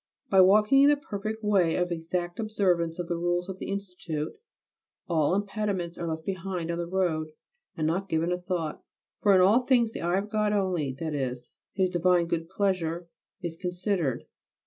By walking in the perfect way of exact observance of the rules of the Institute, all impediments are left behind on the road and not given a thought; for in all things the eye of God only, that is, His divine good pleasure, is considered.